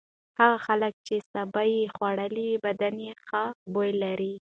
هغه خلک چې سابه خوړلي بدن یې ښه بوی لري.